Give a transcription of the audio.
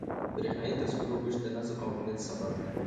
د بریښنایي تذکرو ویش د نظم او امنیت سبب دی.